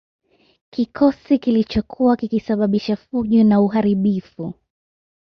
Kikosi kilichokuwa kikisababisha fujo na uharibifu